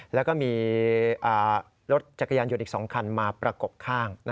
แล้วก็มีรถจักรยานยนต์อีก๒คันมาประกบข้าง